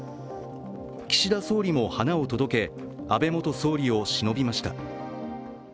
岸田総理も花を届け、安倍元総理をしのびました。